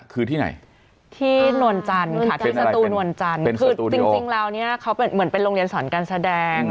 คือที่ไหนที่นวลจันทร์ค่ะสตูนวลจันทร์คือจริงจริงเหมือนเป็นโรงเรียนสอนการแสดง